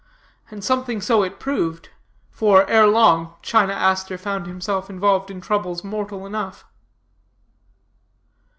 And something so it proved; for, ere long, China Aster found himself involved in troubles mortal enough.